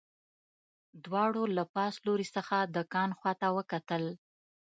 دواړو له پاس لوري څخه د کان خواته وکتل